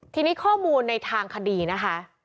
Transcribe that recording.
ทีนี้ข้อมูลในทางคดีนะคะ